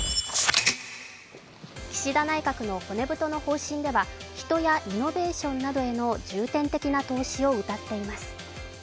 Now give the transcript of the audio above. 岸田内閣の骨太の方針では人やイノベーションなどへの重点的な投資をうたっています。